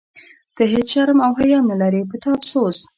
ته هیڅ شرم او حیا نه لرې، په تا افسوس.